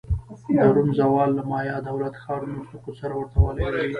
د روم زوال له مایا دولت-ښارونو سقوط سره ورته والی لري